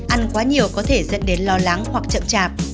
ăn quá nhiều có thể dẫn đến lo lắng hoặc chậm chạp